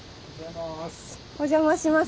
お邪魔します。